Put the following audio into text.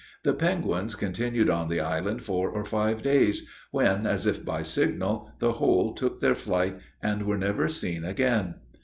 The penguins continued on the island four or five days, when, as if by signal, the whole took their flight, and were never seen again.